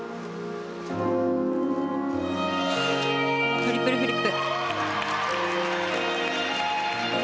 トリプルフリップ。